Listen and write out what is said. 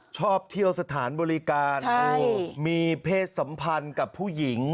ชอบเที่ยวสถานบริการมีเพศสัมพันธ์กับผู้หญิง